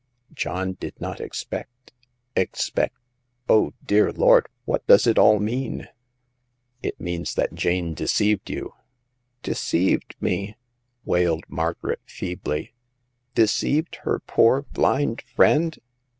John did not expect — expect — oh, dear Lord, what does it all mean ?"It means that Jane deceived you." " Deceived me !" wailed Margaret, feebly — •'deceived her poor blind friend